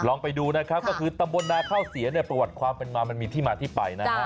ลองไปดูนะครับก็คือตำบลนาข้าวเสียเนี่ยประวัติความเป็นมามันมีที่มาที่ไปนะฮะ